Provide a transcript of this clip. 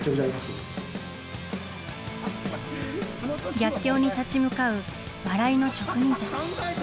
逆境に立ち向かう笑いの職人たち。